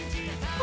あ？